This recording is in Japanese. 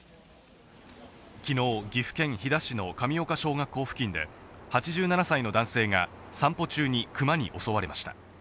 きのう、岐阜県飛騨市の神岡小学校付近で、８７歳の男性が、散歩中にクマに襲われました。